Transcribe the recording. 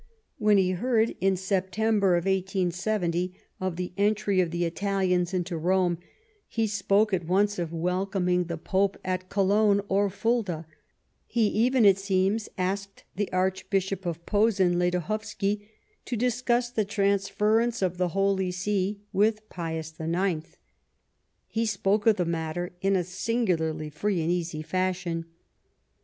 When he heard, in September, 1870, of the entry of the Italians into Rome, he spoke at once of wel coming the Pope at Cologne or Fulda ; he even, it seems, asked the Aixhbishop of Posen, Ledochowski, to discuss the transference of the Holy See with Pius IX. He spoke of the matter in a singularly free and easy, fashion.